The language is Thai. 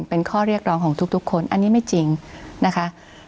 เป็นข้อเรียกร้องของทุกคนอันนี้ไม่จริงนะคะ